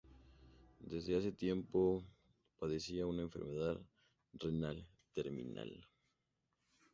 Desde hacía tiempo padecía una enfermedad renal terminal.